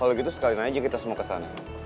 kalau gitu sekalin aja kita semua ke sana